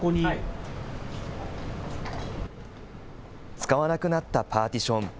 使わなくなったパーティション。